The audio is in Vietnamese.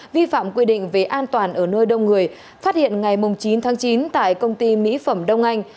vi phạm quy định về an toàn ở nơi đông người phát hiện ngày chín tháng chín tại công ty mỹ phẩm đông anh